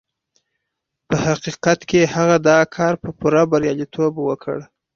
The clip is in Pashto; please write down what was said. په حقيقت کې هغه دا کار په پوره برياليتوب وکړ.